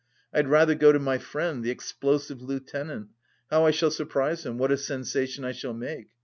I'd rather go to my friend, the Explosive Lieutenant; how I shall surprise him, what a sensation I shall make!